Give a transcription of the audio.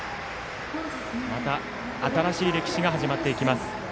また、新しい歴史が始まっていきます。